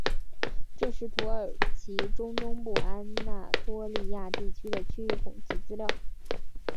这是土耳其中东部安那托利亚地区的区域统计资料。